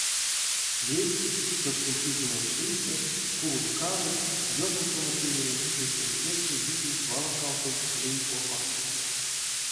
Весть, сёксень пиземев чистэ, куволь-каволь, ёжовтомо кеверинь эсень кедьсэ витнезь-валакавтозь лей потмаксонтень.